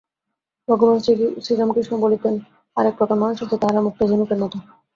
ভগবান শ্রীরামকৃষ্ণ বলিতেন আর এক প্রকার মানুষ আছে, তাহারা মুক্তা-ঝিনুকের মত।